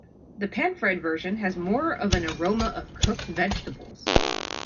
The pan-fried version has more of an aroma of cooked vegetables.